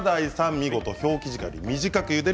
見事、表記時間より短くゆでる